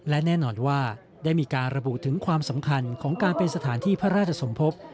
และแน่นอนว่าได้มีการระบุถึงความสำคัญของการเป็นสถานที่พระราชสมภพ